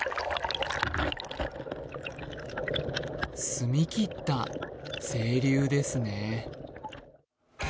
澄み切った清流ですね。